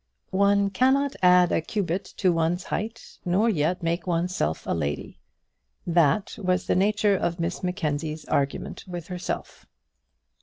"One cannot add a cubit to one's height, nor yet make oneself a lady;" that was the nature of Miss Mackenzie's argument with herself.